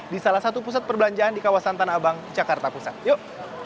di salah satu pusat perbelanjaan di kawasan tanah abang jakarta pusat yuk